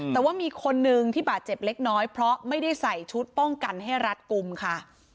แต่ว่ามีคนนึงที่บาดเจ็บเล็กน้อยเพราะไม่ได้ใส่ชุดป้องกันให้รัดกลุ่มค่ะ